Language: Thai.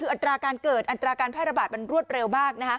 อันตราการแพร่ระบาดมันรวดเร็วมาก